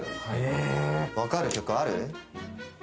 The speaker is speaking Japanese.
分かる曲ある？